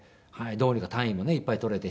どうにか単位もねいっぱい取れて。